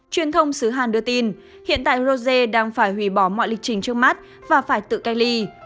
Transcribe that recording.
truyền thông xứ hàn đưa tin hiện tại rose đang phải hủy bỏ mọi lịch trình trước mắt và phải tự cách ly